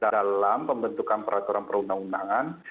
dalam pembentukan peraturan perundang undangan